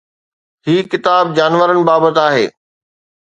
هي ڪتاب جانورن بابت آهي.